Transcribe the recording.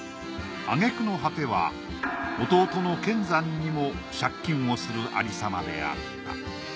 あげくの果ては弟の乾山にも借金をするありさまであった。